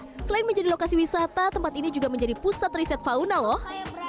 nah selain menjadi lokasi wisata tempat ini juga menjadi pusat riset fauna loh